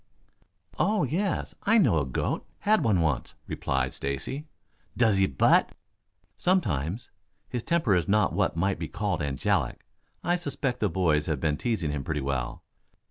"Oh, yes, I know a goat. Had one once," replied Stacy. "Does he butt?" "Sometimes. His temper is not what might be called angelic. I suspect the boys have been teasing him pretty well.